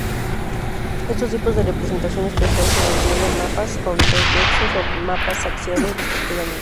Estos tipos de representación espacial se denominan mapas convexos o mapas axiales, respectivamente.